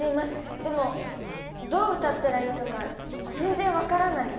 でもどう歌ったらいいのか全然分からない。